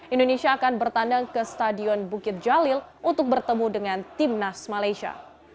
indonesia akan bertandang ke stadion bukit jalil untuk bertemu dengan timnas malaysia